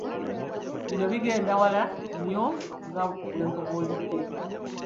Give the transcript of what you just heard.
Bino bigenda wala nnyo nga bwe nkubuulidde.